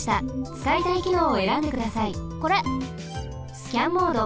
スキャンモード。